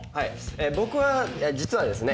僕は実はですね